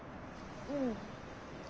うん。